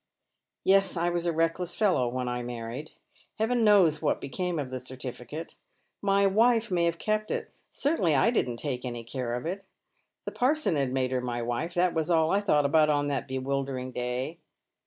" Yes, I was a reckless fellow when I married. Heaven knows what became of the certificate. My wife may have kept it. Certainly I didn't take any care of it. The parson had made her my wife. Tb.at was all I thought about on that be wildering day."